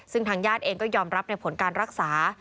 ซึ่งทางญาติเองก็ยอมรับในผลการรักษา